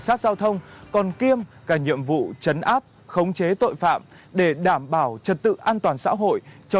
cảnh sát giao thông còn kiêm cả nhiệm vụ chấn áp khống chế tội phạm để đảm bảo trật tự an toàn xã hội cho